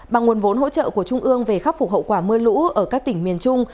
bằng nguồn vốn hỗ trợ của trung ương về khắc phục hậu quả mưa lũ ở các tỉnh miền trung